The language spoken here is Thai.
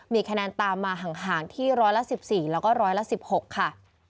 มีคะแนนตามมาห่างที่ร้อยละ๑๔แล้วก็ร้อยละ๑๖ค่ะ